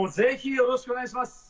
よろしくお願いします。